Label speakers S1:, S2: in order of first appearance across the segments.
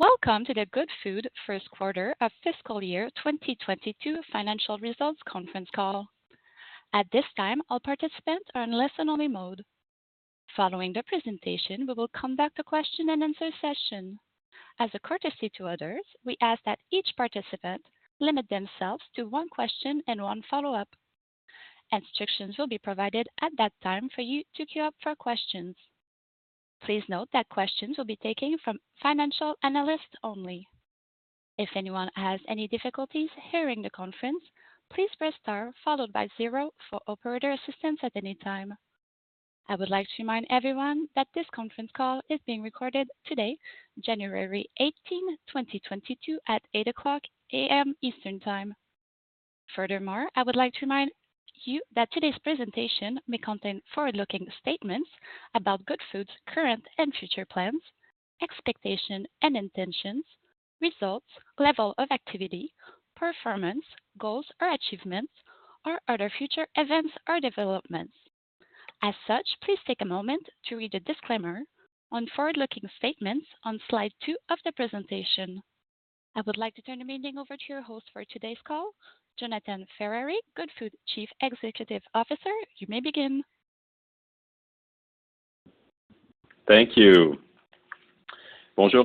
S1: Welcome to the Goodfood first quarter of fiscal year 2022 financial results conference call. At this time, all participants are in listen-only mode. Following the presentation, we will come back to question and answer session. As a courtesy to others, we ask that each participant limit themselves to one question and one follow-up. Instructions will be provided at that time for you to queue up for questions. Please note that questions will be taken from financial analysts only. If anyone has any difficulties hearing the conference, please press star followed by zero for operator assistance at any time. I would like to remind everyone that this conference call is being recorded today, January 18, 2022 at 8:00 A.M. Eastern time. Furthermore, I would like to remind you that today's presentation may contain forward-looking statements about Goodfood's current and future plans, expectations and intentions, results, level of activity, performance, goals or achievements or other future events or developments. As such, please take a moment to read the disclaimer on forward-looking statements on slide two of the presentation. I would like to turn the meeting over to your host for today's call, Jonathan Ferrari, Goodfood Chief Executive Officer. You may begin.
S2: Thank you. Good morning,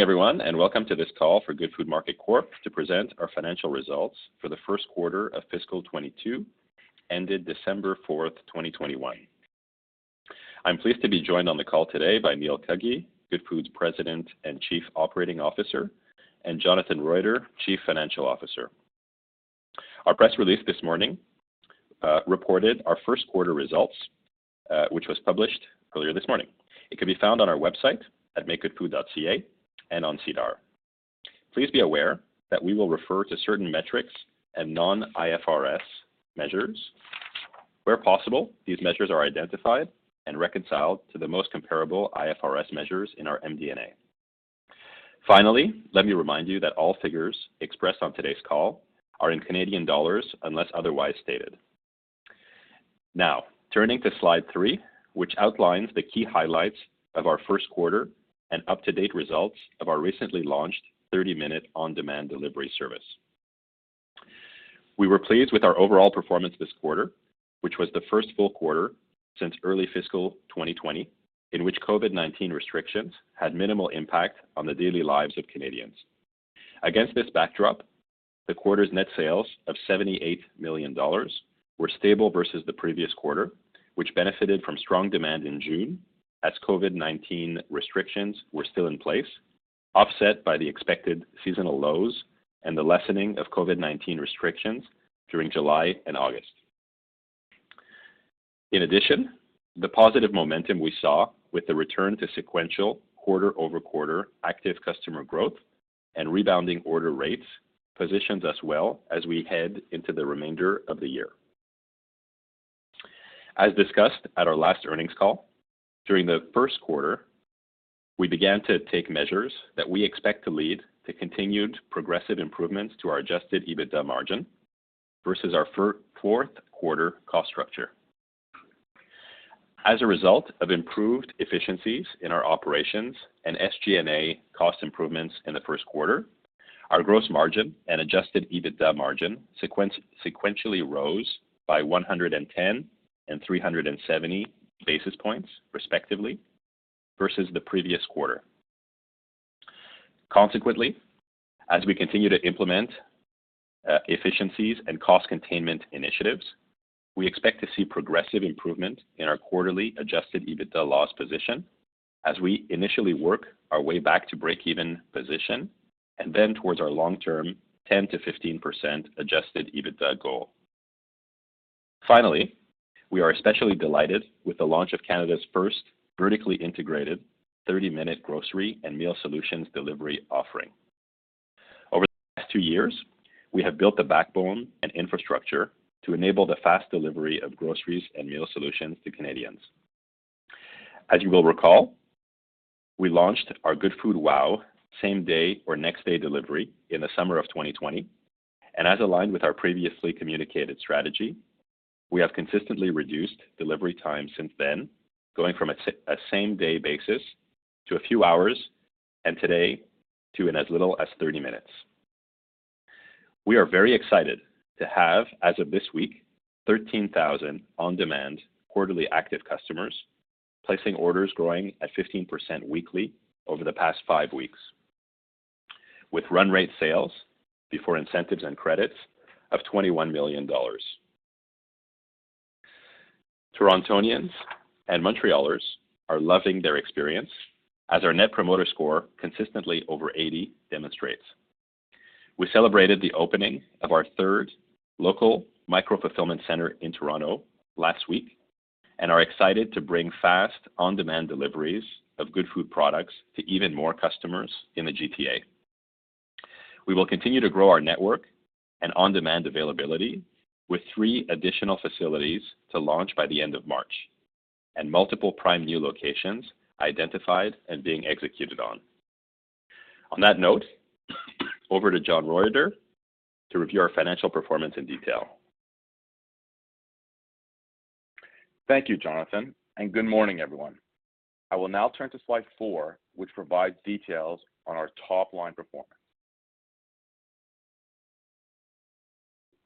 S2: everyone, and welcome to this call for Goodfood Market Corp. to present our financial results for the first quarter of fiscal 2022 ended December 4, 2021. I'm pleased to be joined on the call today by Neil Cuggy, Goodfood's President and Chief Operating Officer, and Jonathan Roiter, Chief Financial Officer. Our press release this morning reported our first quarter results, which was published earlier this morning. It can be found on our website at makegoodfood.ca and on SEDAR. Please be aware that we will refer to certain metrics and Non-IFRS measures. Where possible, these measures are identified and reconciled to the most comparable IFRS measures in our MD&A. Finally, let me remind you that all figures expressed on today's call are in Canadian dollars, unless otherwise stated. Now, turning to slide three, which outlines the key highlights of our first quarter and up to date results of our recently launched 30-minute on-demand delivery service. We were pleased with our overall performance this quarter, which was the first full quarter since early fiscal 2020, in which COVID-19 restrictions had minimal impact on the daily lives of Canadians. Against this backdrop, the quarter's net sales of 78 million dollars were stable versus the previous quarter, which benefited from strong demand in June as COVID-19 restrictions were still in place, offset by the expected seasonal lows and the lessening of COVID-19 restrictions during July and August. In addition, the positive momentum we saw with the return to sequential quarter-over-quarter active customer growth and rebounding order rates positions us well as we head into the remainder of the year. As discussed at our last earnings call, during the first quarter, we began to take measures that we expect to lead to continued progressive improvements to our Adjusted EBITDA margin versus our fourth quarter cost structure. As a result of improved efficiencies in our operations and SG&A cost improvements in the first quarter, our gross margin and Adjusted EBITDA margin sequentially rose by 110 and 370 basis points, respectively, versus the previous quarter. Consequently, as we continue to implement efficiencies and cost containment initiatives, we expect to see progressive improvement in our quarterly Adjusted EBITDA loss position as we initially work our way back to break even position and then towards our long-term 10%-15% Adjusted EBITDA goal. Finally, we are especially delighted with the launch of Canada's first vertically integrated 30-minute grocery and meal solutions delivery offering. Over the last two years, we have built the backbone and infrastructure to enable the fast delivery of groceries and meal solutions to Canadians. As you will recall, we launched our Goodfood WOW same day or next day delivery in the summer of 2020, and as aligned with our previously communicated strategy, we have consistently reduced delivery time since then, going from a same day basis to a few hours, and today to in as little as 30 minutes. We are very excited to have, as of this week, 13,000 on-demand quarterly active customers, placing orders growing at 15% weekly over the past five weeks, with run rate sales before incentives and credits of 21 million dollars. Torontonians and Montrealers are loving their experience, as our net promoter score consistently over 80 demonstrates. We celebrated the opening of our third local micro-fulfillment center in Toronto last week and are excited to bring fast, on-demand deliveries of Goodfood products to even more customers in the GTA. We will continue to grow our network and on-demand availability with three additional facilities to launch by the end of March. Multiple prime new locations identified and being executed on. On that note, over to Jonathan Roiter to review our financial performance in detail.
S3: Thank you, Jonathan, and good morning, everyone. I will now turn to slide four, which provides details on our top line performance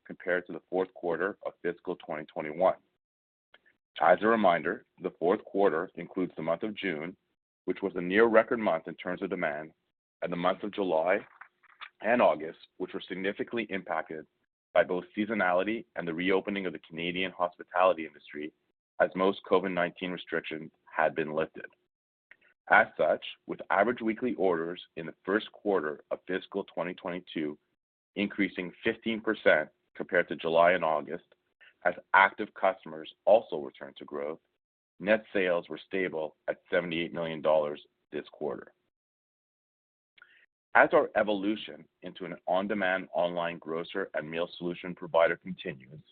S3: compared to the fourth quarter of fiscal 2021. As a reminder, the fourth quarter includes the month of June, which was a near record month in terms of demand, and the months of July and August, which were significantly impacted by both seasonality and the reopening of the Canadian hospitality industry as most COVID-19 restrictions had been lifted. As such, with average weekly orders in the first quarter of fiscal 2022 increasing 15% compared to July and August as active customers also returned to growth, net sales were stable at 78 million dollars this quarter. As our evolution into an on-demand online grocer and meal solution provider continues,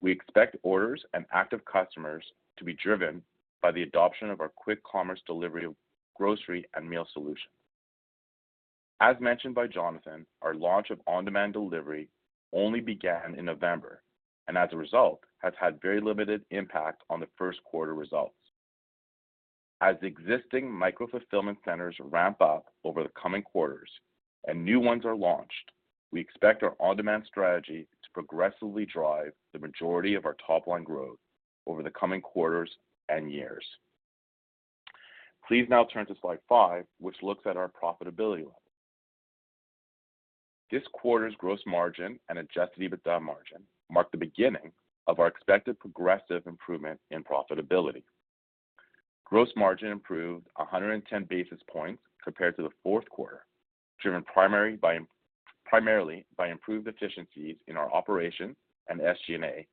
S3: we expect orders and active customers to be driven by the adoption of our quick commerce delivery, grocery and meal solutions. As mentioned by Jonathan, our launch of on-demand delivery only began in November, and as a result, has had very limited impact on the first quarter results. As existing micro-fulfillment centers ramp up over the coming quarters and new ones are launched, we expect our on-demand strategy to progressively drive the majority of our top line growth over the coming quarters and years. Please now turn to slide five, which looks at our profitability. This quarter's gross margin and Adjusted EBITDA margin mark the beginning of our expected progressive improvement in profitability. Gross margin improved 110 basis points compared to the fourth quarter, driven primarily by improved efficiencies in our operations and SG&A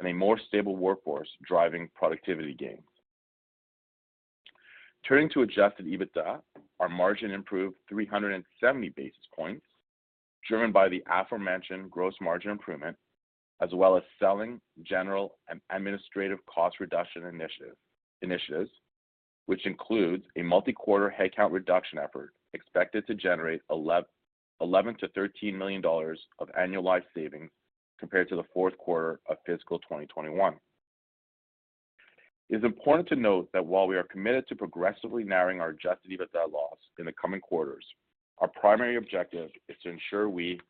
S3: and a more stable workforce driving productivity gains. Turning to Adjusted EBITDA, our margin improved 370 basis points, driven by the aforementioned gross margin improvement, as well as selling general and administrative cost reduction initiatives, which includes a multi-quarter headcount reduction effort expected to generate 11 million-13 million dollars of annualized savings compared to the fourth quarter of fiscal 2021. It's important to note that while we are committed to progressively narrowing our Adjusted EBITDA loss in the coming quarters, our primary objective is to ensure we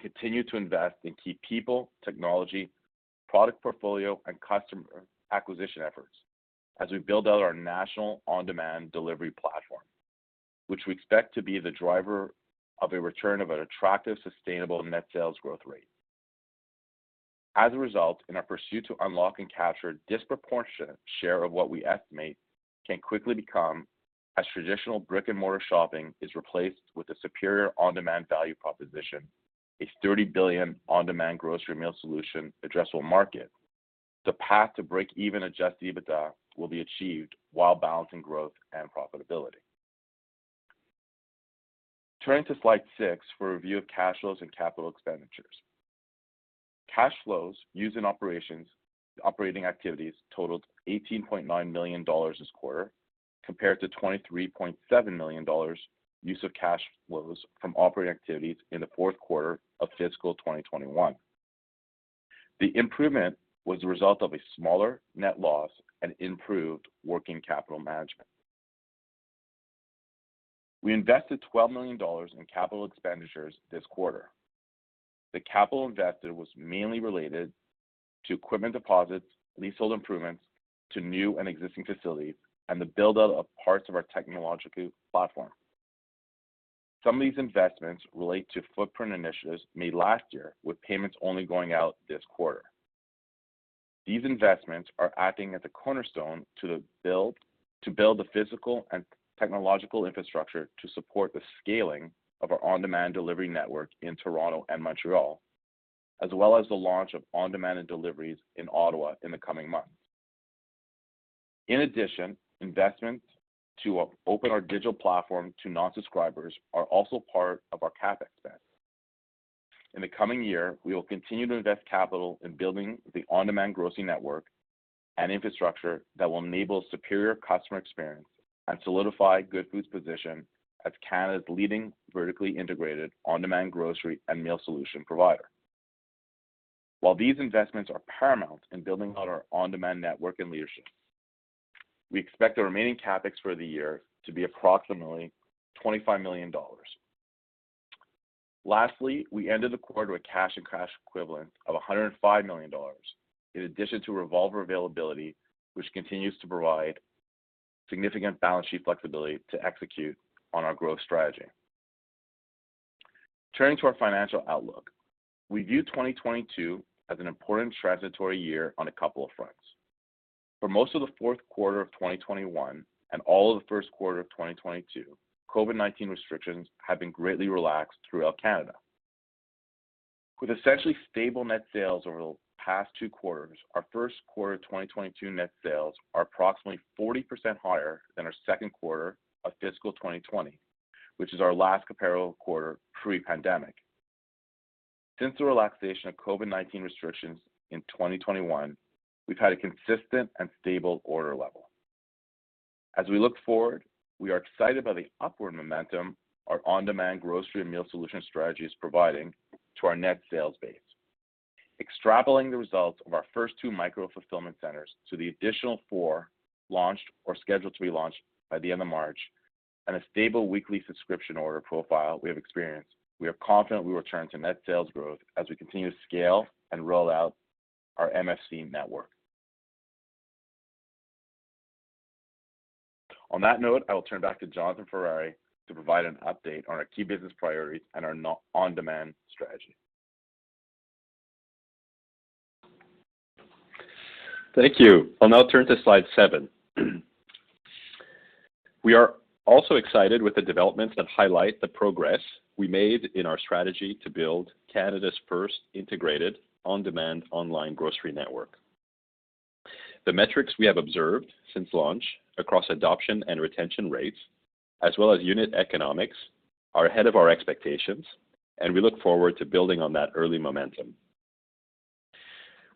S3: continue to invest in key people, technology, product portfolio, and customer acquisition efforts as we build out our national on-demand delivery platform, which we expect to be the driver of a return of an attractive, sustainable net sales growth rate. As a result, in our pursuit to unlock and capture a disproportionate share of what we estimate can quickly become as traditional brick-and-mortar shopping is replaced with a superior on-demand value proposition, a 30 billion on-demand grocery meal solution addressable market, the path to break-even Adjusted EBITDA will be achieved while balancing growth and profitability. Turning to slide six for a review of cash flows and capital expenditures. Cash flows used in operating activities totaled 18.9 million dollars this quarter, compared to a use of CAD 23.7 million in cash flows from operating activities in the fourth quarter of fiscal 2021. The improvement was the result of a smaller net loss and improved working capital management. We invested 12 million dollars in capital expenditures this quarter. The capital invested was mainly related to equipment deposits, leasehold improvements to new and existing facilities, and the build-out of parts of our technological platform. Some of these investments relate to footprint initiatives made last year, with payments only going out this quarter. These investments are acting as a cornerstone to build the physical and technological infrastructure to support the scaling of our on-demand delivery network in Toronto and Montreal, as well as the launch of on-demand deliveries in Ottawa in the coming months. In addition, investments to open our digital platform to non-subscribers are also part of our CapEx spend. In the coming year, we will continue to invest capital in building the on-demand grocery network and infrastructure that will enable superior customer experience and solidify Goodfood's position as Canada's leading vertically integrated on-demand grocery and meal solution provider. While these investments are paramount in building out our on-demand network and leadership, we expect the remaining CapEx for the year to be approximately 25 million dollars. Lastly, we ended the quarter with cash and cash equivalents of 105 million dollars in addition to revolver availability, which continues to provide significant balance sheet flexibility to execute on our growth strategy. Turning to our financial outlook, we view 2022 as an important transitory year on a couple of fronts. For most of the fourth quarter of 2021 and all of the first quarter of 2022, COVID-19 restrictions have been greatly relaxed throughout Canada. With essentially stable net sales over the past two quarters, our first quarter 2022 net sales are approximately 40% higher than our second quarter of fiscal 2020, which is our last comparable quarter pre-pandemic. Since the relaxation of COVID-19 restrictions in 2021, we've had a consistent and stable order level. As we look forward, we are excited by the upward momentum our on-demand grocery and meal solution strategy is providing to our net sales base. Extrapolating the results of our first two micro-fulfillment centers to the additional four launched or scheduled to be launched by the end of March and a stable weekly subscription order profile we have experienced, we are confident we will return to net sales growth as we continue to scale and roll out our MFC network. On that note, I will turn back to Jonathan Ferrari to provide an update on our key business priorities and our on-demand strategy.
S2: Thank you. I'll now turn to slide seven. We are also excited with the developments that highlight the progress we made in our strategy to build Canada's first integrated on-demand online grocery network. The metrics we have observed since launch across adoption and retention rates, as well as unit economics, are ahead of our expectations, and we look forward to building on that early momentum.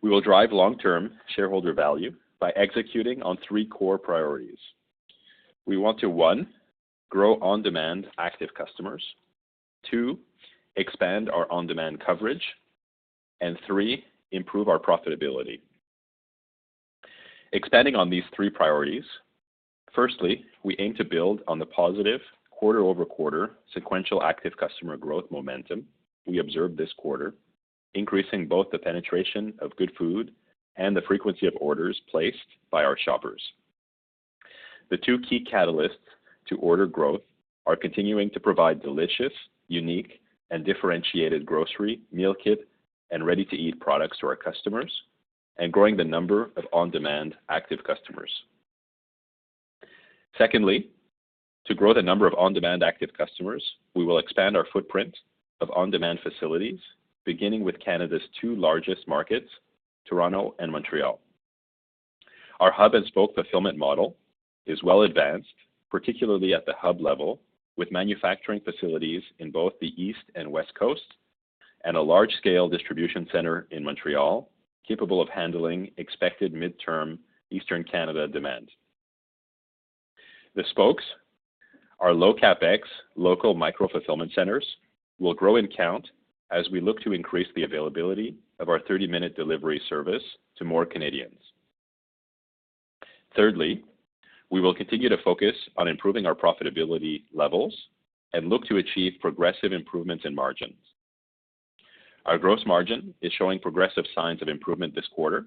S2: We will drive long-term shareholder value by executing on three core priorities. We want to, one, grow on-demand active customers, two, expand our on-demand coverage, and three, improve our profitability. Expanding on these three priorities, firstly, we aim to build on the positive quarter-over-quarter sequential active customer growth momentum we observed this quarter, increasing both the penetration of Goodfood and the frequency of orders placed by our shoppers. The two key catalysts to order growth are continuing to provide delicious, unique, and differentiated grocery, meal kit, and ready-to-eat products to our customers and growing the number of on-demand active customers. Secondly, to grow the number of on-demand active customers, we will expand our footprint of on-demand facilities, beginning with Canada's two largest markets, Toronto and Montreal. Our hub-and-spoke fulfillment model is well advanced, particularly at the hub level, with manufacturing facilities in both the East and West Coast and a large-scale distribution center in Montreal capable of handling expected midterm Eastern Canada demand. The spokes, our low-CapEx local micro-fulfillment centers, will grow in count as we look to increase the availability of our 30-minute delivery service to more Canadians. Thirdly, we will continue to focus on improving our profitability levels and look to achieve progressive improvements in margins. Our gross margin is showing progressive signs of improvement this quarter,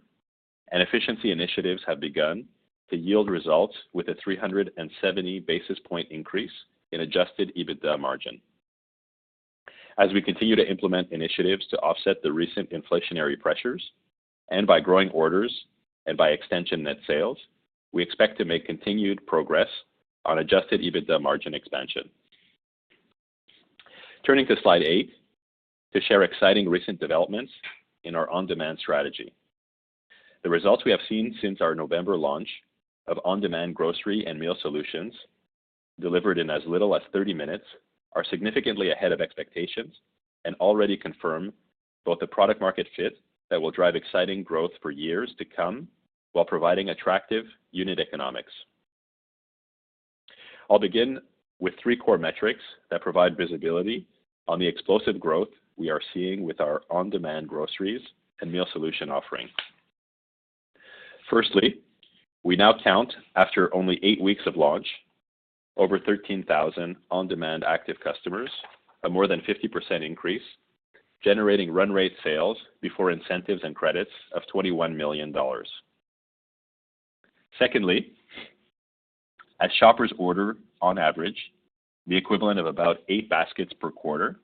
S2: and efficiency initiatives have begun to yield results with a 370 basis point increase in Adjusted EBITDA margin. As we continue to implement initiatives to offset the recent inflationary pressures and by growing orders and by extension net sales, we expect to make continued progress on Adjusted EBITDA margin expansion. Turning to slide eight to share exciting recent developments in our on-demand strategy. The results we have seen since our November launch of on-demand grocery and meal solutions delivered in as little as 30 minutes are significantly ahead of expectations and already confirm both the product market fit that will drive exciting growth for years to come while providing attractive unit economics. I'll begin with three core metrics that provide visibility on the explosive growth we are seeing with our on-demand groceries and meal solution offerings. Firstly, we now count after only eight weeks of launch over 13,000 on-demand active customers, a more than 50% increase, generating run rate sales before incentives and credits of 21 million dollars. Secondly, as shoppers order on average the equivalent of about eight baskets per quarter,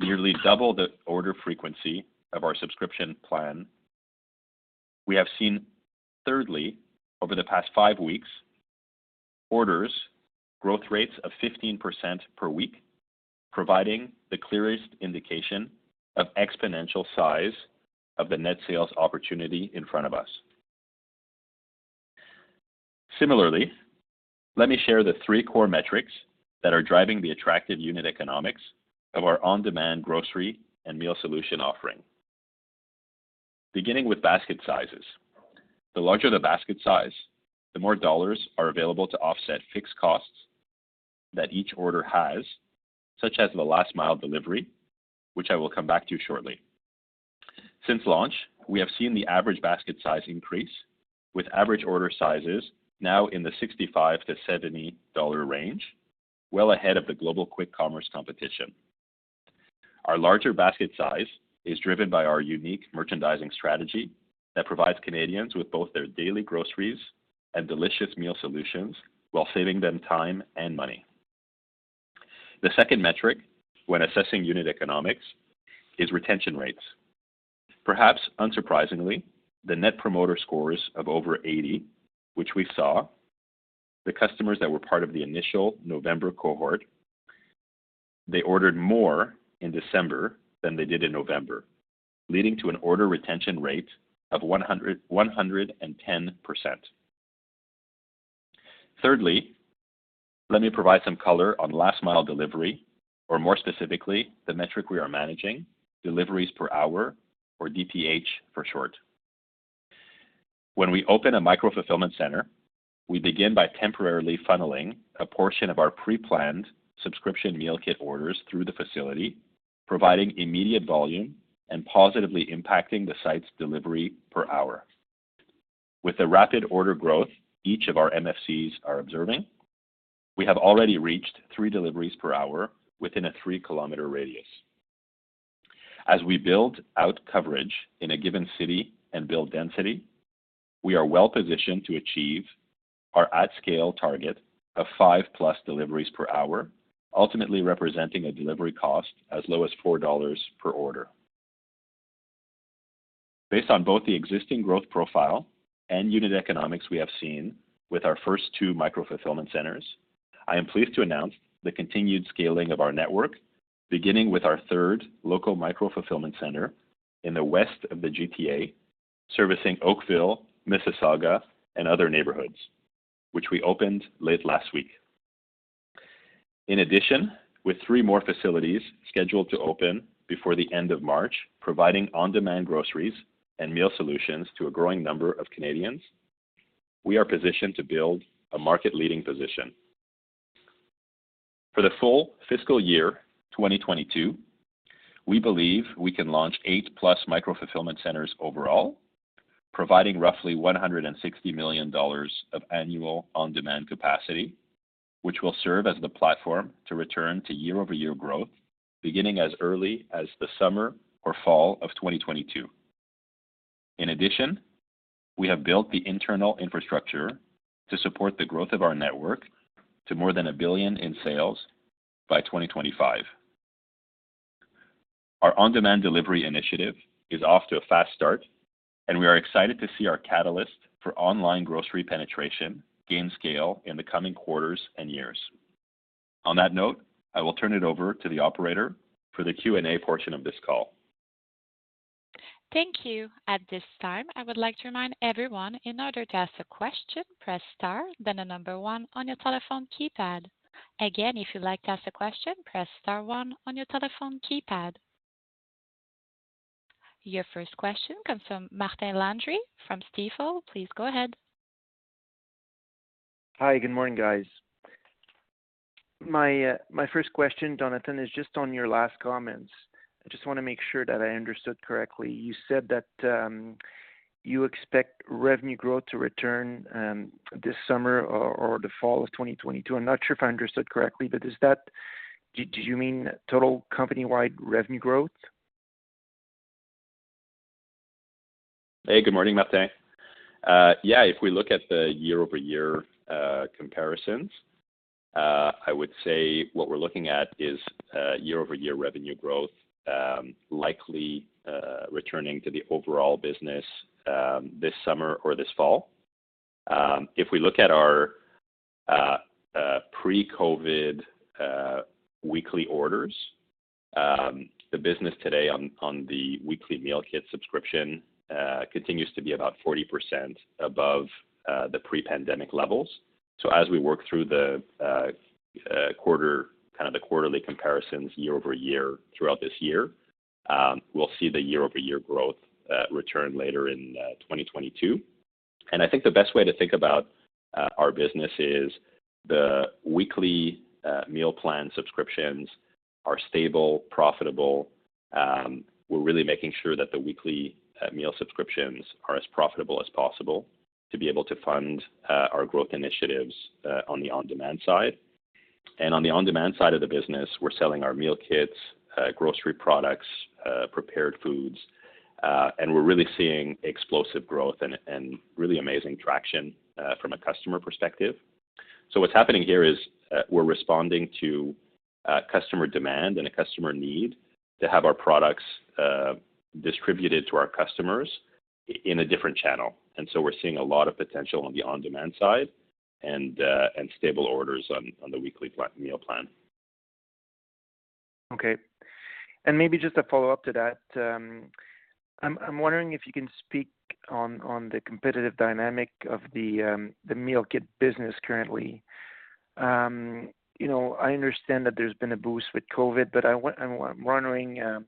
S2: nearly double the order frequency of our subscription plan, we have seen, thirdly, over the past five weeks, orders growth rates of 15% per week, providing the clearest indication of exponential size of the net sales opportunity in front of us. Similarly, let me share the three core metrics that are driving the attractive unit economics of our on-demand grocery and meal solution offering. Beginning with basket sizes, the larger the basket size, the more dollars are available to offset fixed costs that each order has, such as the last mile delivery, which I will come back to shortly. Since launch, we have seen the average basket size increase with average order sizes now in the 65-70 dollar range, well ahead of the global quick commerce competition. Our larger basket size is driven by our unique merchandising strategy that provides Canadians with both their daily groceries and delicious meal solutions while saving them time and money. The second metric when assessing unit economics is retention rates. Perhaps unsurprisingly, the net promoter scores of over 80, which we saw, the customers that were part of the initial November cohort, they ordered more in December than they did in November, leading to an order retention rate of 110%. Thirdly, let me provide some color on last mile delivery or more specifically, the metric we are managing, deliveries per hour or DPH for short. When we open a micro fulfillment center, we begin by temporarily funneling a portion of our pre-planned subscription meal kit orders through the facility, providing immediate volume and positively impacting the site's delivery per hour. With the rapid order growth each of our MFCs are observing, we have already reached three deliveries per hour within a 3 km radius. As we build out coverage in a given city and build density, we are well positioned to achieve our at scale target of 5+ deliveries per hour, ultimately representing a delivery cost as low as 4 dollars per order. Based on both the existing growth profile and unit economics we have seen with our first two micro fulfillment centers, I am pleased to announce the continued scaling of our network, beginning with our third local micro fulfillment center in the west of the GTA, servicing Oakville, Mississauga, and other neighborhoods, which we opened late last week. In addition, with three more facilities scheduled to open before the end of March, providing on-demand groceries and meal solutions to a growing number of Canadians, we are positioned to build a market-leading position. For the full fiscal year 2022, we believe we can launch 8+ micro fulfillment centers overall, providing roughly 160 million dollars of annual on-demand capacity, which will serve as the platform to return to year-over-year growth beginning as early as the summer or fall of 2022. In addition, we have built the internal infrastructure to support the growth of our network to more than 1 billion in sales by 2025. Our on-demand delivery initiative is off to a fast start, and we are excited to see our catalyst for online grocery penetration gain scale in the coming quarters and years. On that note, I will turn it over to the operator for the Q&A portion of this call.
S1: Thank you. At this time, I would like to remind everyone, in order to ask a question, press star, then the number one on your telephone keypad. Again, if you'd like to ask a question, press star one on your telephone keypad. Your first question comes from Martin Landry from Stifel. Please go ahead.
S4: Hi. Good morning, guys. My first question, Jonathan, is just on your last comments. I just wanna make sure that I understood correctly. You said that you expect revenue growth to return this summer or the fall of 2022. I'm not sure if I understood correctly, but do you mean total company-wide revenue growth?
S2: Hey, good morning, Martin. Yeah, if we look at the year-over-year comparisons, I would say what we're looking at is year-over-year revenue growth likely returning to the overall business this summer or this fall. If we look at our pre-COVID weekly orders, the business today on the weekly meal kit subscription continues to be about 40% above the pre-pandemic levels. As we work through the quarter kind of the quarterly comparisons year-over-year throughout this year, we'll see the year-over-year growth return later in 2022. I think the best way to think about our business is the weekly meal plan subscriptions are stable, profitable. We're really making sure that the weekly meal subscriptions are as profitable as possible to be able to fund our growth initiatives on the on-demand side. On the on-demand side of the business, we're selling our meal kits, grocery products, prepared foods, and we're really seeing explosive growth and really amazing traction from a customer perspective. What's happening here is we're responding to customer demand and a customer need to have our products distributed to our customers in a different channel. We're seeing a lot of potential on the on-demand side and stable orders on the weekly meal plan.
S4: Okay. Maybe just a follow-up to that. I'm wondering if you can speak on the competitive dynamic of the meal kit business currently. You know, I understand that there's been a boost with COVID, but I'm wondering, you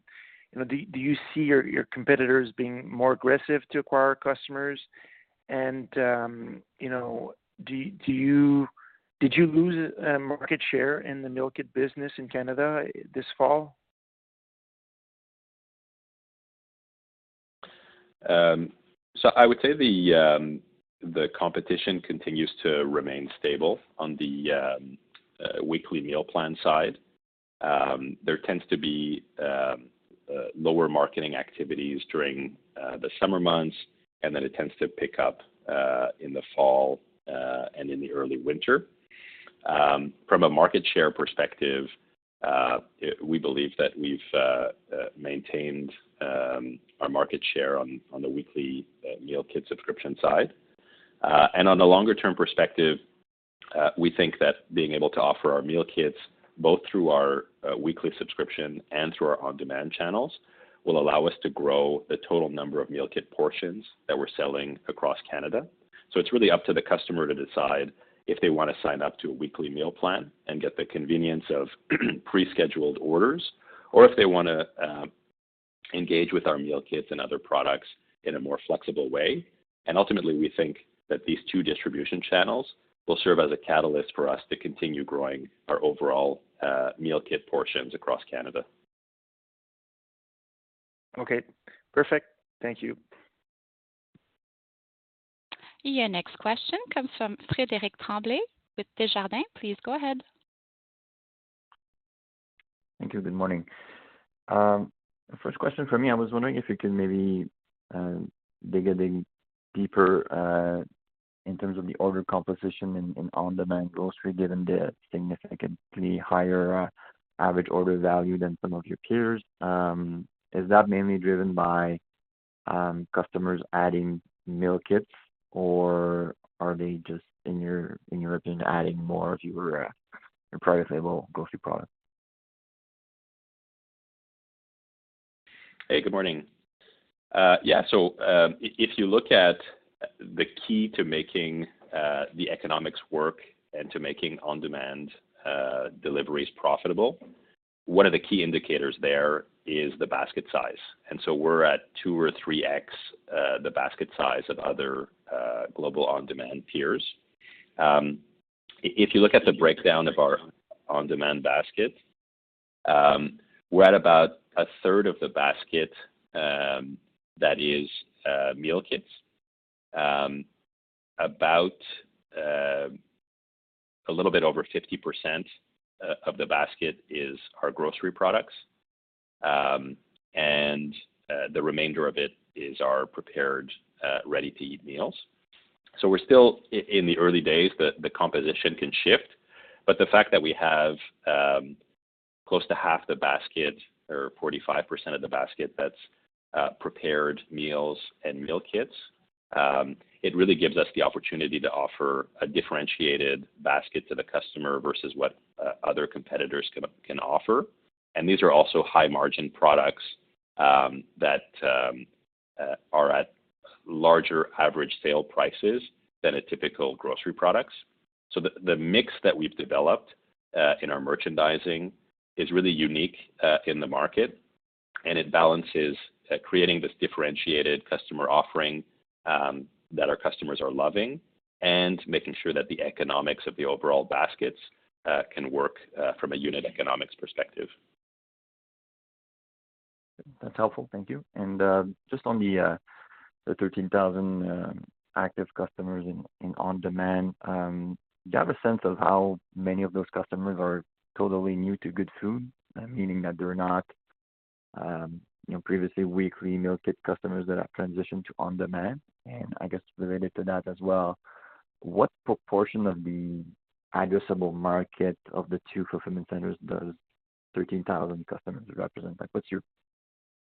S4: know, do you see your competitors being more aggressive to acquire customers? You know, did you lose market share in the meal kit business in Canada this fall?
S2: I would say the competition continues to remain stable on the weekly meal plan side. There tends to be lower marketing activities during the summer months, and then it tends to pick up in the fall and in the early winter. From a market share perspective, we believe that we've maintained our market share on the weekly meal kit subscription side. On the longer term perspective, we think that being able to offer our meal kits both through our weekly subscription and through our on-demand channels will allow us to grow the total number of meal kit portions that we're selling across Canada. It's really up to the customer to decide if they wanna sign up to a weekly meal plan and get the convenience of pre-scheduled orders or if they wanna engage with our meal kits and other products in a more flexible way. Ultimately, we think that these two distribution channels will serve as a catalyst for us to continue growing our overall meal kit portions across Canada.
S4: Okay. Perfect. Thank you.
S1: Your next question comes from Frederic Tremblay with Desjardins. Please go ahead.
S5: Thank you. Good morning. First question for me, I was wondering if you could maybe dig a bit deeper in terms of the order composition in on-demand grocery, given the significantly higher average order value than some of your peers. Is that mainly driven by customers adding meal kits, or are they just in your opinion adding more of your private label grocery products?
S2: Hey, good morning. If you look at the key to making the economics work and to making on-demand deliveries profitable, one of the key indicators there is the basket size. We're at 2x or 3x the basket size of other global on-demand peers. If you look at the breakdown of our on-demand basket, we're at about a third of the basket that is meal kits. About a little bit over 50% of the basket is our grocery products, and the remainder of it is our prepared ready-to-eat meals. We're still in the early days. The composition can shift, but the fact that we have close to half the basket or 45% of the basket that's prepared meals and meal kits, it really gives us the opportunity to offer a differentiated basket to the customer versus what other competitors can offer. These are also high-margin products that are at larger average sale prices than a typical grocery products. The mix that we've developed in our merchandising is really unique in the market, and it balances creating this differentiated customer offering that our customers are loving and making sure that the economics of the overall baskets can work from a unit economics perspective.
S5: That's helpful. Thank you. Just on the 13,000 active customers in on-demand, do you have a sense of how many of those customers are totally new to Goodfood? Meaning that they're not you know previously weekly meal kit customers that have transitioned to on-demand. I guess related to that as well, what proportion of the addressable market of the two fulfillment centers does 13,000 customers represent? Like, what's your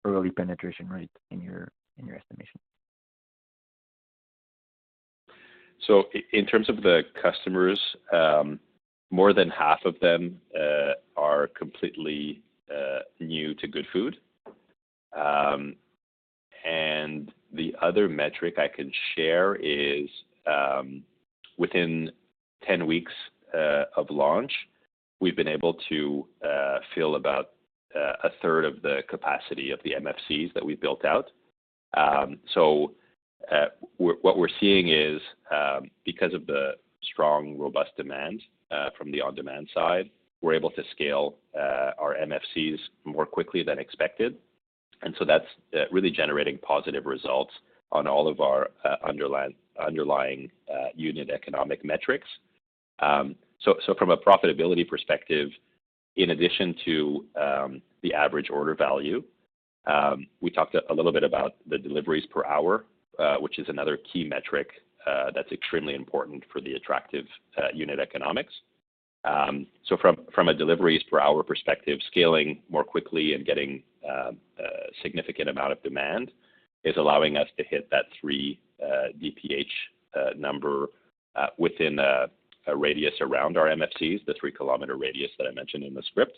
S5: early penetration rate in your estimation?
S2: In terms of the customers, more than half of them are completely new to Goodfood. The other metric I can share is within 10 weeks of launch, we've been able to fill about a third of the capacity of the MFCs that we built out. What we're seeing is because of the strong, robust demand from the on-demand side, we're able to scale our MFCs more quickly than expected. That's really generating positive results on all of our underlying unit economic metrics. From a profitability perspective, in addition to the average order value, we talked a little bit about the deliveries per hour, which is another key metric that's extremely important for the attractive unit economics. From a deliveries per hour perspective, scaling more quickly and getting a significant amount of demand is allowing us to hit that 3 DPH number within a radius around our MFCs, the 3 km radius that I mentioned in the script.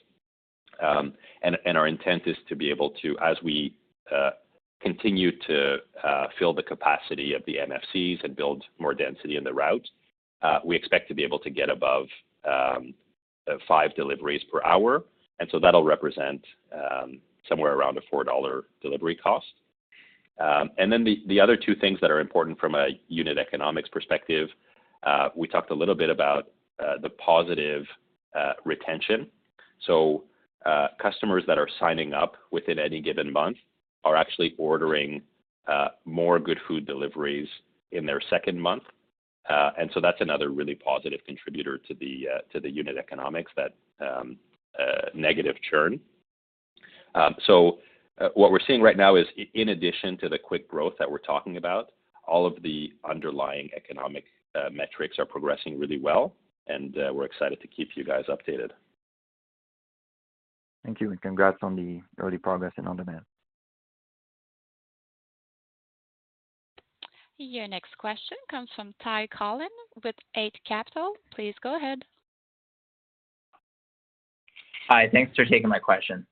S2: Our intent is to be able to, as we continue to fill the capacity of the MFCs and build more density in the route, we expect to be able to get above five deliveries per hour, and so that'll represent somewhere around a 4 dollar delivery cost. Then the other two things that are important from a unit economics perspective, we talked a little bit about the positive retention. Customers that are signing up within any given month are actually ordering more Goodfood deliveries in their second month. That's another really positive contributor to the unit economics, that negative churn. What we're seeing right now is in addition to the quick growth that we're talking about, all of the underlying economic metrics are progressing really well, and we're excited to keep you guys updated.
S5: Thank you, and congrats on the early progress in on-demand.
S1: Your next question comes from [Graeme Kreindler] with Eight Capital. Please go ahead.
S6: Hi. Thanks for taking my question.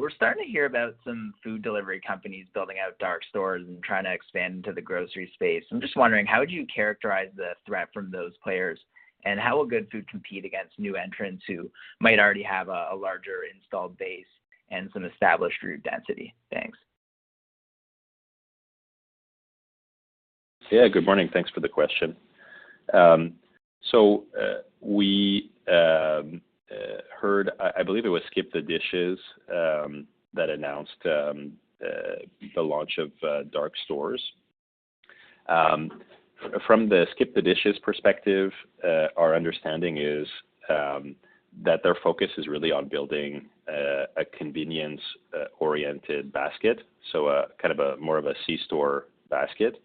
S6: We're starting to hear about some food delivery companies building out dark stores and trying to expand into the grocery space. I'm just wondering, how would you characterize the threat from those players, and how will Goodfood compete against new entrants who might already have a larger installed base and some established route density? Thanks.
S2: Yeah. Good morning. Thanks for the question. I believe it was SkipTheDishes that announced the launch of dark stores. From the SkipTheDishes perspective, our understanding is that their focus is really on building a convenience-oriented basket, so kind of a more of a C-store basket.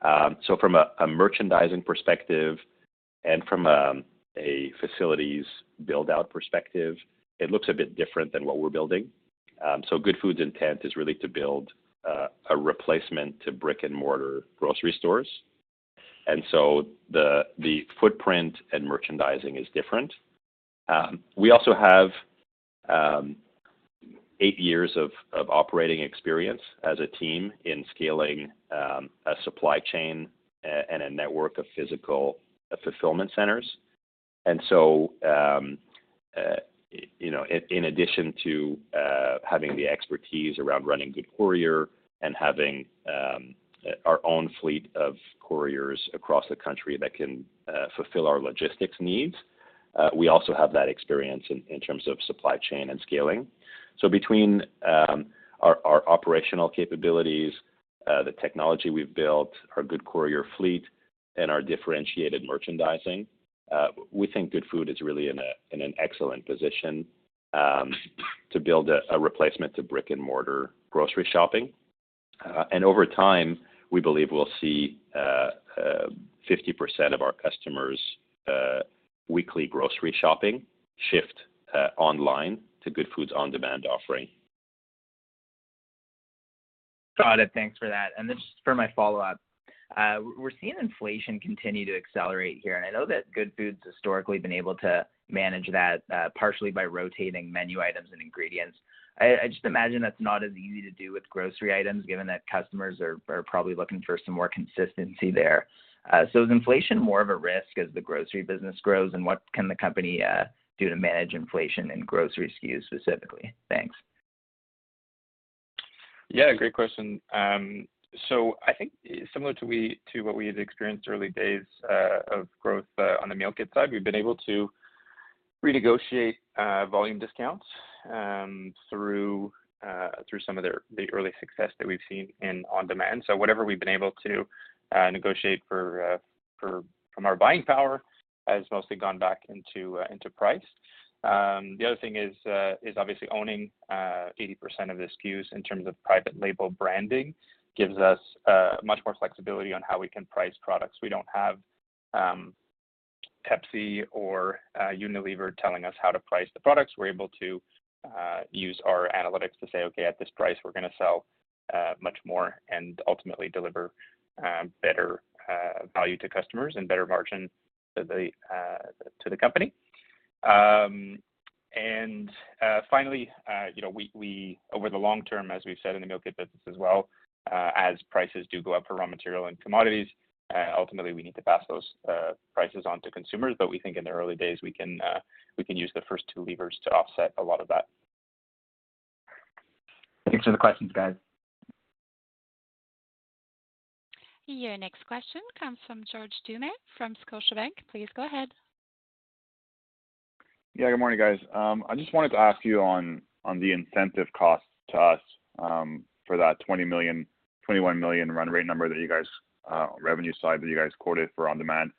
S2: From a merchandising perspective and from a facilities build-out perspective, it looks a bit different than what we're building. Goodfood's intent is really to build a replacement to brick-and-mortar grocery stores. The footprint and merchandising is different. We also have eight years of operating experience as a team in scaling a supply chain and a network of physical fulfillment centers. You know, in addition to having the expertise around running Goodfood Courier and having our own fleet of couriers across the country that can fulfill our logistics needs, we also have that experience in terms of supply chain and scaling. Between our operational capabilities, the technology we've built, our Goodfood Courier fleet, and our differentiated merchandising, we think Goodfood is really in an excellent position to build a replacement to brick-and-mortar grocery shopping. Over time, we believe we'll see 50% of our customers' weekly grocery shopping shift online to Goodfood's on-demand offering.
S6: Got it. Thanks for that. Just for my follow-up, we're seeing inflation continue to accelerate here, and I know that Goodfood's historically been able to manage that, partially by rotating menu items and ingredients. I just imagine that's not as easy to do with grocery items given that customers are probably looking for some more consistency there. Is inflation more of a risk as the grocery business grows, and what can the company do to manage inflation and grocery SKUs specifically? Thanks.
S7: Yeah, great question. I think similar to what we had experienced early days of growth on the meal kit side, we've been able to renegotiate volume discounts through the early success that we've seen in on-demand. Whatever we've been able to negotiate from our buying power has mostly gone back into price. The other thing is obviously owning 80% of the SKUs in terms of private label branding gives us much more flexibility on how we can price products. We don't have Pepsi or Unilever telling us how to price the products. We're able to use our analytics to say, "Okay, at this price, we're gonna sell much more and ultimately deliver better value to customers and better margin to the company." Finally, you know, we over the long term, as we've said in the meal kit business as well, as prices do go up for raw material and commodities, ultimately we need to pass those prices on to consumers. But we think in the early days we can use the first two levers to offset a lot of that.
S6: Thanks for the questions, guys.
S1: Your next question comes from George Doumet from Scotiabank. Please go ahead.
S8: Yeah, good morning, guys. I just wanted to ask you on the incentive costs to us for that 20 million-21 million run rate number that you guys revenue side that you guys quoted for on-demand.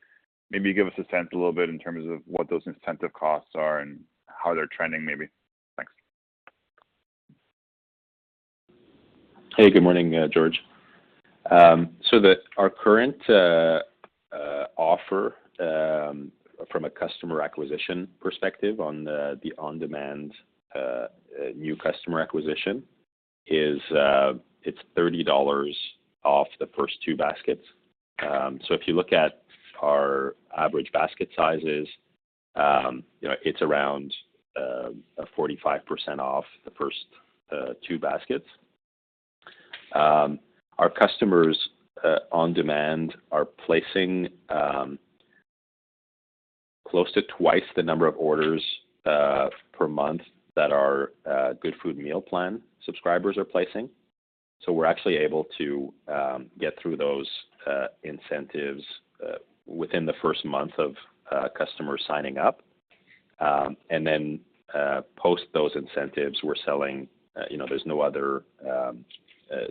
S8: Maybe give us a sense a little bit in terms of what those incentive costs are and how they're trending maybe. Thanks.
S2: Hey, good morning, George. Our current offer from a customer acquisition perspective on the on-demand new customer acquisition is, it's 30 dollars off the first two baskets. If you look at our average basket sizes, you know, it's around 45% off the first two baskets. Our customers on-demand are placing close to twice the number of orders per month that our Goodfood meal plan subscribers are placing. We're actually able to get through those incentives within the first month of customers signing up. Post those incentives we're selling. You know, there's no other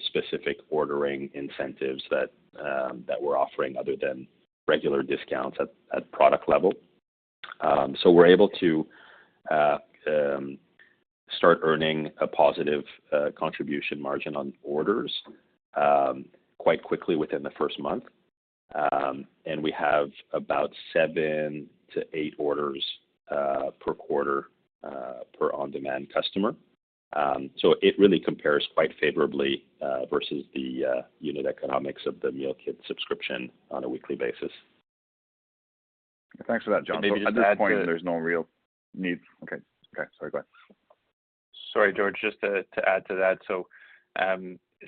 S2: specific ordering incentives that we're offering other than regular discounts at product level. We're able to start earning a positive contribution margin on orders quite quickly within the first month. We have about seven to eight orders per quarter per on-demand customer. It really compares quite favorably versus the unit economics of the meal kit subscription on a weekly basis.
S8: Thanks for that, Jon. Okay, sorry, go ahead.
S3: Sorry, George, just to add to that.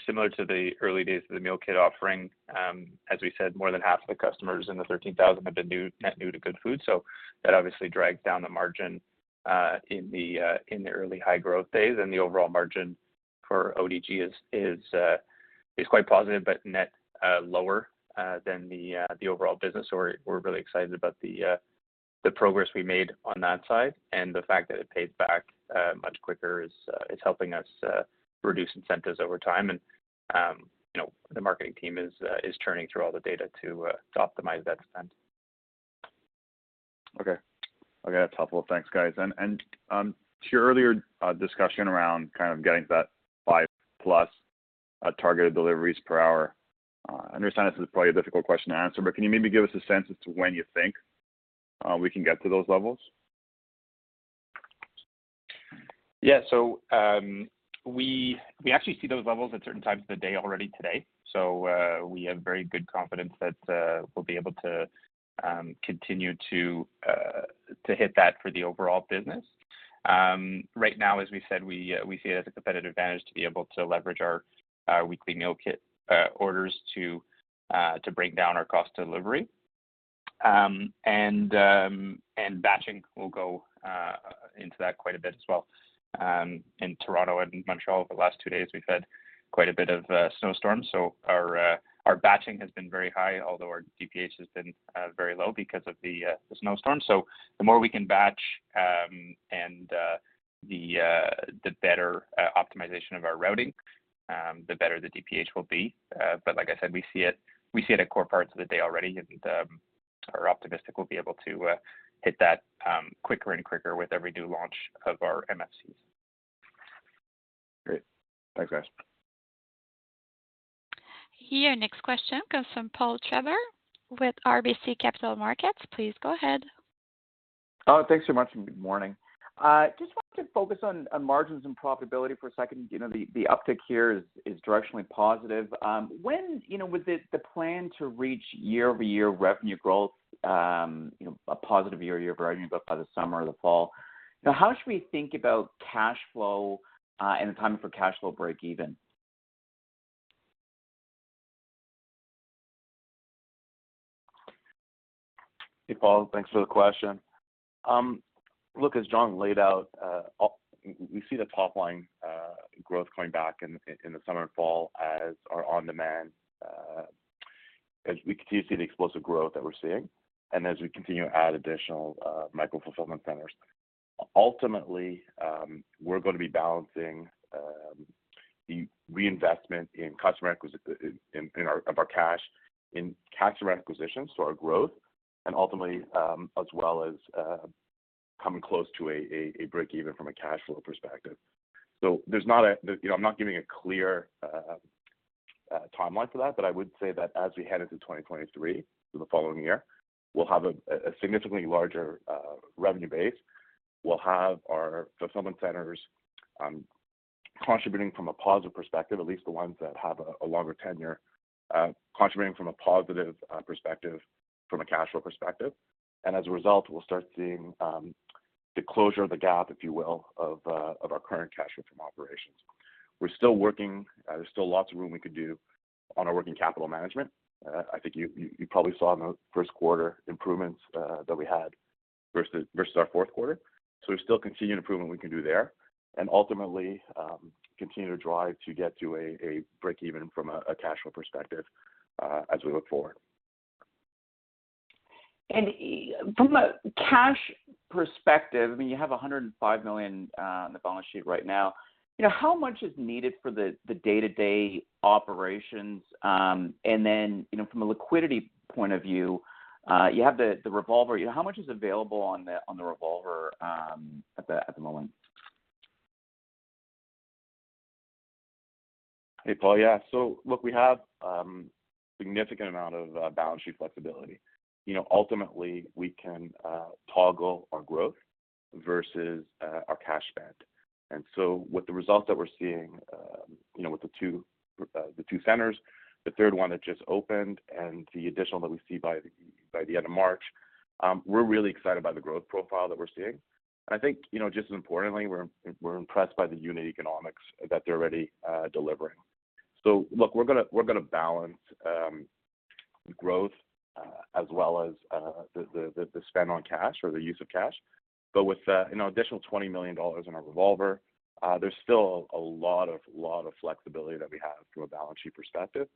S3: Similar to the early days of the meal kit offering, as we said, more than half the customers in the 13,000 have been new, net new to Goodfood, so that obviously drags down the margin in the early high-growth phase, and the overall margin for ODG is quite positive, but net lower than the overall business. We're really excited about the progress we made on that side, and the fact that it paid back much quicker is helping us reduce incentives over time. You know, the marketing team is churning through all the data to optimize that spend.
S8: Okay. That's helpful. Thanks, guys. To your earlier discussion around kind of getting to that 5+ targeted deliveries per hour, I understand this is probably a difficult question to answer, but can you maybe give us a sense as to when you think we can get to those levels?
S3: Yeah. We actually see those levels at certain times of the day already today, so we have very good confidence that we'll be able to continue to hit that for the overall business. Right now, as we said, we see it as a competitive advantage to be able to leverage our weekly meal kit orders to break down our delivery cost. Batching will go into that quite a bit as well. In Toronto and Montreal over the last two days, we've had quite a bit of a snowstorm, so our batching has been very high, although our DPH has been very low because of the snowstorm. The more we can batch, and the better optimization of our routing, the better the DPH will be. Like I said, we see it at core parts of the day already, and are optimistic we'll be able to hit that quicker and quicker with every new launch of our MFCs.
S8: Great. Thanks, guys.
S1: Your next question comes from Paul Treiber with RBC Capital Markets. Please go ahead.
S9: Oh, thanks so much, and good morning. Just wanted to focus on margins and profitability for a second. You know, the uptick here is directionally positive. When, you know, was it the plan to reach year-over-year revenue growth, you know, a positive year-over-year revenue growth by the summer or the fall? Now, how should we think about cash flow, and the timing for cash flow breakeven?
S2: Hey, Paul. Thanks for the question. Look, as Jon laid out, we see the top line growth coming back in the summer and fall as our on-demand, as we continue to see the explosive growth that we're seeing and as we continue to add additional micro-fulfillment centers. Ultimately, we're gonna be balancing the reinvestment in customer acquisition of our cash in customer acquisitions, so our growth, and ultimately, as well as, coming close to a breakeven from a cash flow perspective. You know, I'm not giving a clear timeline for that, but I would say that as we head into 2023, so the following year, we'll have a significantly larger revenue base. We'll have our fulfillment centers contributing from a positive perspective, at least the ones that have a longer tenure, contributing from a positive perspective from a cash flow perspective. As a result, we'll start seeing the closure of the gap, if you will, of our current cash flow from operations. We're still working. There's still lots of room we could do on our working capital management. I think you probably saw in the first quarter improvements that we had versus our fourth quarter. There's still continued improvement we can do there and ultimately continue to drive to get to a breakeven from a cash flow perspective as we look forward.
S9: From a cash perspective, I mean, you have 105 million on the balance sheet right now. You know, how much is needed for the day-to-day operations? You know, from a liquidity point of view, you have the revolver. You know, how much is available on the revolver at the moment?
S3: Hey, Paul. Yeah. Look, we have significant amount of balance sheet flexibility. You know, ultimately, we can toggle our growth versus our cash spend. With the results that we're seeing, you know, with the two centers, the third one that just opened and the additional that we see by the end of March, we're really excited by the growth profile that we're seeing. I think, you know, just as importantly, we're impressed by the unit economics that they're already delivering. Look, we're gonna balance growth as well as the spend on cash or the use of cash. With, you know, additional 20 million dollars in our revolver, there's still a lot of flexibility that we have from a balance sheet perspective.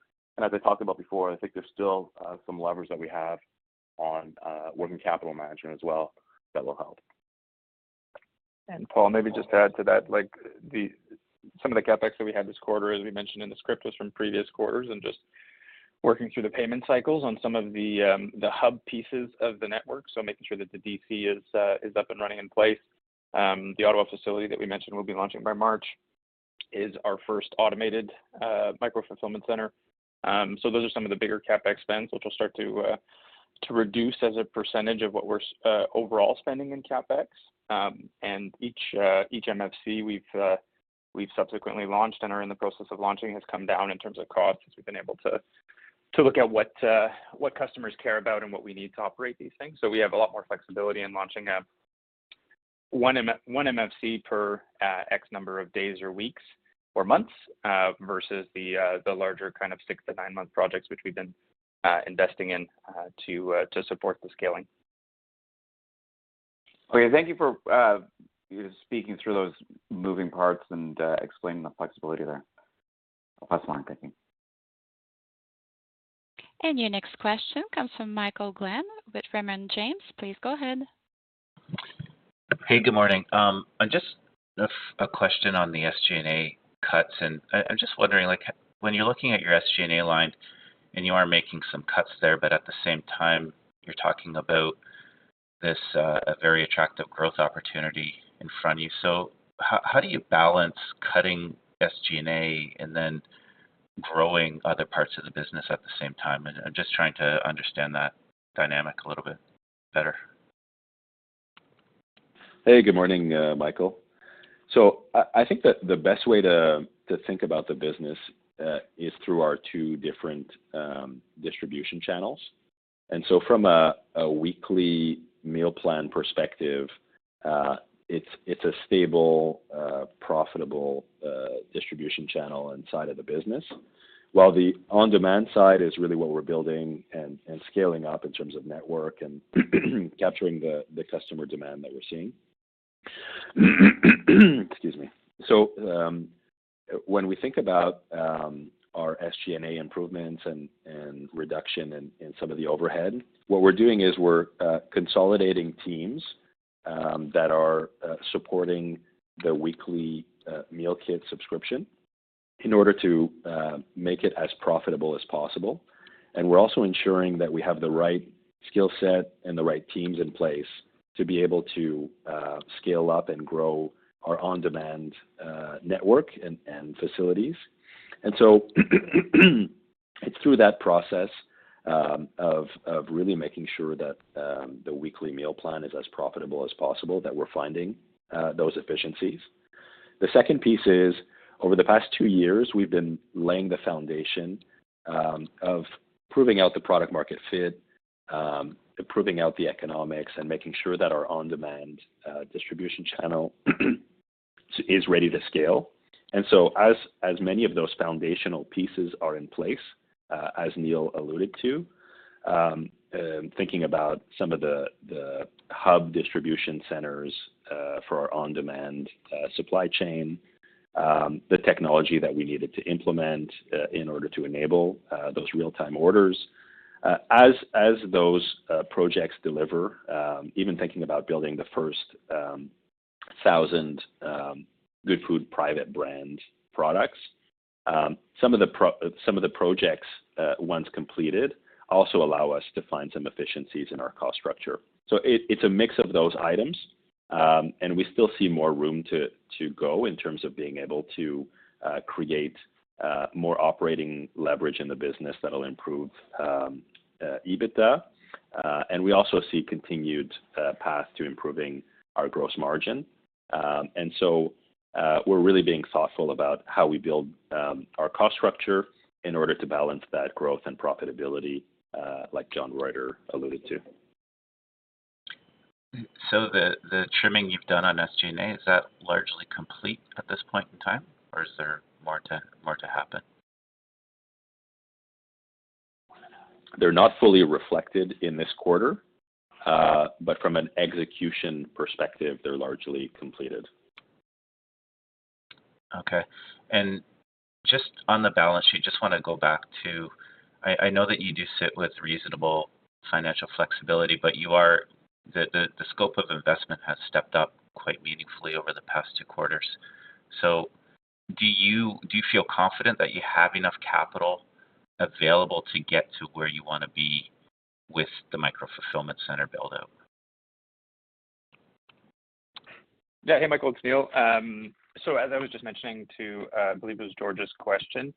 S3: As I talked about before, I think there's still some levers that we have on working capital management as well that will help. Paul, maybe just to add to that, like some of the CapEx that we had this quarter, as we mentioned in the script, was from previous quarters and just working through the payment cycles on some of the hub pieces of the network, so making sure that the DC is up and running in place. The Ottawa facility that we mentioned will be launching by March is our first automated micro fulfillment center. Those are some of the bigger CapEx spends, which will start to reduce as a percentage of what we're spending overall in CapEx. Each MFC we've subsequently launched and are in the process of launching has come down in terms of cost, since we've been able to look at what customers care about and what we need to operate these things. We have a lot more flexibility in launching one MFC per X number of days or weeks or months versus the larger kind of six to nine month projects, which we've been investing in to support the scaling.
S9: Okay. Thank you for speaking through those moving parts and explaining the flexibility there. I'll pass along your thinking.
S1: Your next question comes from Michael Glen with Raymond James. Please go ahead.
S10: Hey, good morning. A question on the SG&A cuts, and I'm just wondering, like, when you're looking at your SG&A line and you are making some cuts there, but at the same time you're talking about this, a very attractive growth opportunity in front of you, so how do you balance cutting SG&A and then growing other parts of the business at the same time? I'm just trying to understand that dynamic a little bit better.
S2: Hey, good morning, Michael. I think that the best way to think about the business is through our two different distribution channels. From a weekly meal plan perspective, it's a stable, profitable distribution channel inside of the business, while the on-demand side is really what we're building and scaling up in terms of network and capturing the customer demand that we're seeing. Excuse me. When we think about our SG&A improvements and reduction in some of the overhead, what we're doing is we're consolidating teams that are supporting the weekly meal kit subscription in order to make it as profitable as possible. We're also ensuring that we have the right skill set and the right teams in place to be able to scale up and grow our on-demand network and facilities. It's through that process of really making sure that the weekly meal plan is as profitable as possible that we're finding those efficiencies. The second piece is, over the past two years, we've been laying the foundation of proving out the product market fit, proving out the economics, and making sure that our on-demand distribution channel is ready to scale. Many of those foundational pieces are in place, as Neil alluded to, thinking about some of the hub distribution centers for our on-demand supply chain, the technology that we needed to implement in order to enable those real-time orders. As those projects deliver, even thinking about building the first 1,000 Goodfood private brand products, some of the projects once completed also allow us to find some efficiencies in our cost structure. It's a mix of those items, and we still see more room to go in terms of being able to create more operating leverage in the business that'll improve EBITDA. And we also see continued path to improving our gross margin. We're really being thoughtful about how we build our cost structure in order to balance that growth and profitability, like Jonathan Roiter alluded to.
S10: The trimming you've done on SG&A, is that largely complete at this point in time, or is there more to happen?
S2: They're not fully reflected in this quarter, but from an execution perspective, they're largely completed.
S10: Okay. Just on the balance sheet, just wanna go back to. I know that you do sit with reasonable financial flexibility, but the scope of investment has stepped up quite meaningfully over the past two quarters. Do you feel confident that you have enough capital available to get to where you wanna be with the micro fulfillment center build-out?
S7: Yeah. Hey, Michael, it's Neil. As I was just mentioning to, I believe it was George's question,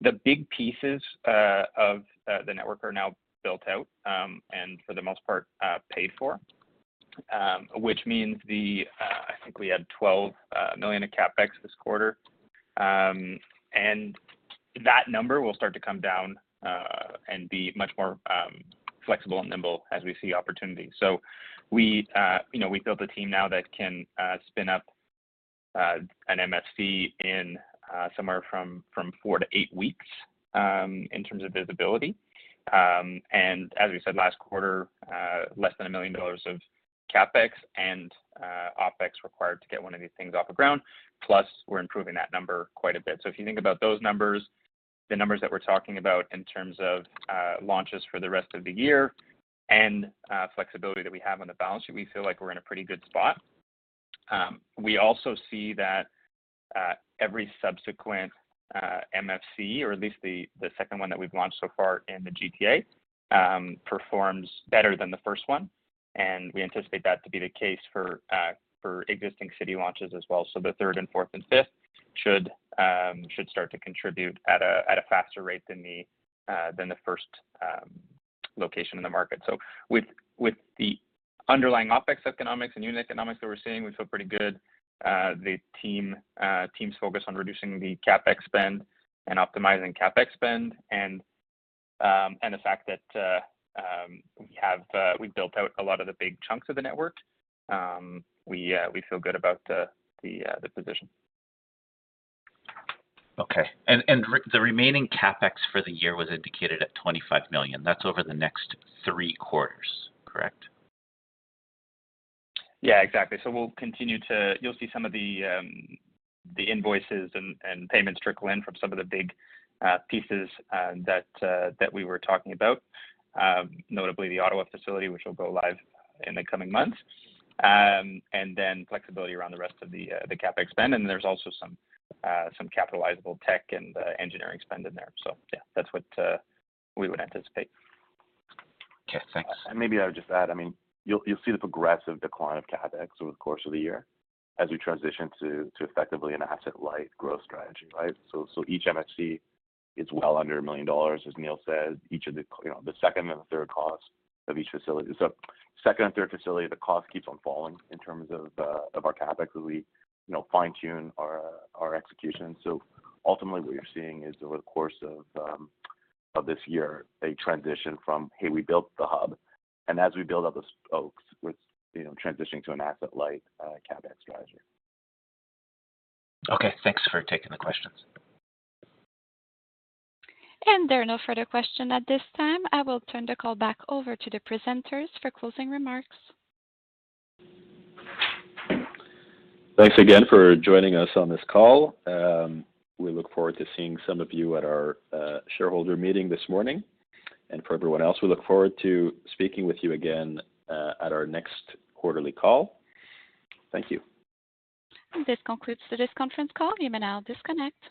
S7: the big pieces of the network are now built out, and for the most part, paid for, which means the, I think we had 12 million of CapEx this quarter. That number will start to come down, and be much more flexible and nimble as we see opportunity. We, you know, we built a team now that can spin up an MFC in somewhere from four to eight weeks, in terms of visibility. As we said last quarter, less than 1 million dollars of CapEx and OpEx required to get one of these things off the ground, plus we're improving that number quite a bit. If you think about those numbers, the numbers that we're talking about in terms of launches for the rest of the year and flexibility that we have on the balance sheet, we feel like we're in a pretty good spot. We also see that every subsequent MFC, or at least the second one that we've launched so far in the GTA, performs better than the first one. We anticipate that to be the case for existing city launches as well. The third and fourth and fifth should start to contribute at a faster rate than the first location in the market. With the underlying OpEx economics and unit economics that we're seeing, we feel pretty good. The team's focused on reducing the CapEx spend and optimizing CapEx spend and the fact that we've built out a lot of the big chunks of the network. We feel good about the position.
S10: Okay. The remaining CapEx for the year was indicated at 25 million. That's over the next three quarters, correct?
S7: Yeah, exactly. You'll see some of the invoices and payments trickle in from some of the big pieces that we were talking about, notably the Ottawa facility, which will go live in the coming months. Flexibility around the rest of the CapEx spend, and there's also some capitalizable tech and engineering spend in there. Yeah, that's what we would anticipate.
S10: Okay, thanks.
S3: Maybe I would just add, I mean, you'll see the progressive decline of CapEx over the course of the year as we transition to effectively an asset-light growth strategy, right? So each MFC is well under CAD 1 million, as Neil says. Second and third facility, the cost keeps on falling in terms of our CapEx as we fine-tune our execution. So ultimately what you're seeing is over the course of this year, a transition from hey, we built the hub, and as we build out the spokes, we're transitioning to an asset-light CapEx strategy.
S10: Okay. Thanks for taking the questions.
S1: There are no further questions at this time. I will turn the call back over to the presenters for closing remarks.
S2: Thanks again for joining us on this call. We look forward to seeing some of you at our shareholder meeting this morning. For everyone else, we look forward to speaking with you again at our next quarterly call. Thank you.
S1: This concludes today's conference call. You may now disconnect.